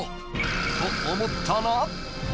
［と思ったら］